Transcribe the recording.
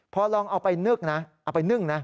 พอลองเอาไปนึกนะเอาไปนึ่งนะ